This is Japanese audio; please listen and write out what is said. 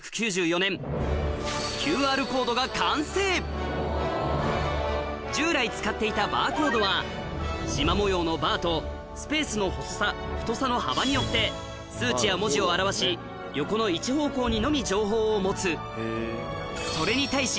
こうして従来使っていたバーコードはしま模様のバーとスペースの細さ太さの幅によって数値や文字を表し横の一方向にのみ情報を持つそれに対しを扱うことができる上これによって